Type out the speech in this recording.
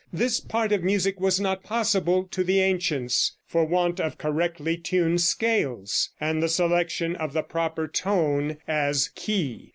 This part of music was not possible to the ancients, for want of correctly tuned scales, and the selection of the proper tone as key.